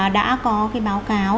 đã có cái báo cáo